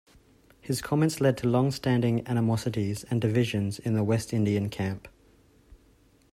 His comments led to long-standing animosities and divisions in the West Indian camp.